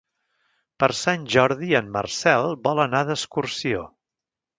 Per Sant Jordi en Marcel vol anar d'excursió.